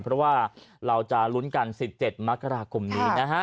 เพราะว่าเราลุ้นกันสิบเจ็ดมกราคมนี้นะ